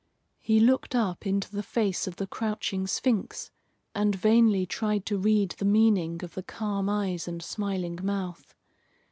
He looked up into the face of the crouching Sphinx and vainly tried to read the meaning of the calm eyes and smiling mouth.